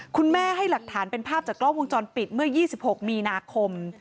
ให้หลักฐานเป็นภาพจากกล้องวงจรปิดเมื่อ๒๖มีนาคม